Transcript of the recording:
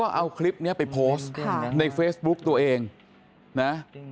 เอาคลิปนี้ไปโพสต์ในเฟซบุ๊กตัวเองนะ